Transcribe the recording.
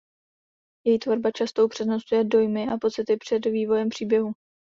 Její tvorba často upřednostňuje dojmy a pocity před vývojem příběhu.